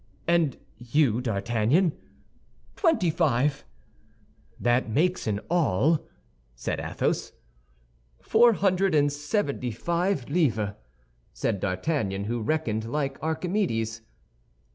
"And you, D'Artagnan?" "Twenty five." "That makes in all?" said Athos. "Four hundred and seventy five livres," said D'Artagnan, who reckoned like Archimedes.